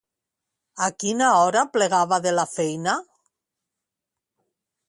A quina hora plegava de la feina?